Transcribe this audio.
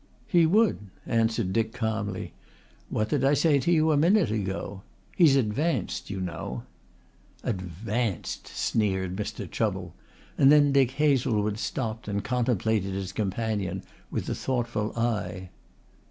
"He would," answered Dick calmly. "What did I say to you a minute ago? He's advanced, you know." "Advanced!" sneered Mr. Chubble, and then Dick Hazlewood stopped and contemplated his companion with a thoughtful eye.